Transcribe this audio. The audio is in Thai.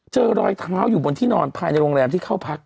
รอยเท้าอยู่บนที่นอนภายในโรงแรมที่เข้าพัก